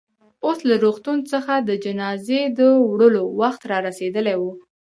اوس له روغتون څخه د جنازې د وړلو وخت رارسېدلی و.